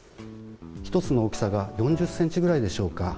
１つの大きさが４０ｃｍくらいでしょうか。